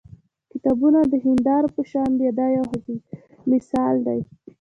کتابونه د هیندارو په شان دي دا یو مثال دی.